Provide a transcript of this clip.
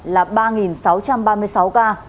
là ba sáu trăm ba mươi sáu ca